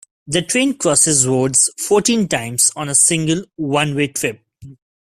The train crosses roads fourteen times on a single one-way trip.